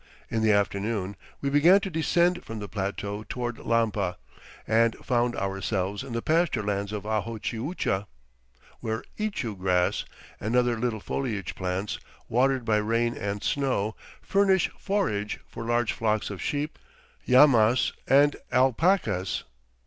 In the afternoon we began to descend from the plateau toward Lampa and found ourselves in the pasture lands of Ajochiucha, where ichu grass and other little foliage plants, watered by rain and snow, furnish forage for large flocks of sheep, llamas, and alpacas.